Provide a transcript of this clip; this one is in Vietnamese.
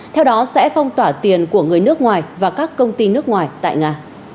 theo đó sẽ phong tỏa tiền của người nước ngoài và các công ty nước ngoài tại nga